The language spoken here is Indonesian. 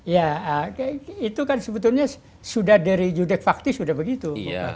ya itu kan sebetulnya sudah dari judek fakti sudah begitu